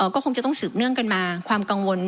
ก็คงจะต้องสืบเนื่องกันมาความกังวล